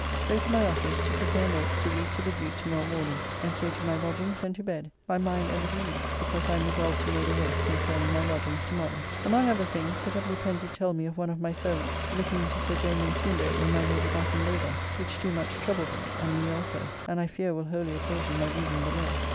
So to my office to prepare notes to read to the Duke to morrow morning, and so to my lodgings and to bed, my mind a little eased because I am resolved to know the worst concerning my lodgings tomorrow. Among other things Sir W. Pen did tell me of one of my servants looking into Sir J. Minnes' window when my Lady Batten lay there, which do much trouble them, and me also, and I fear will wholly occasion my loosing the leads.